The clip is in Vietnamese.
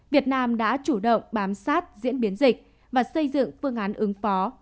việt nam đã chủ động bám sát diễn biến dịch và xây dựng phương án ứng phó